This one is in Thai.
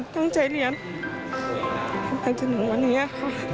ตั้งใจเรียนไปจนถึงวันนี้ค่ะ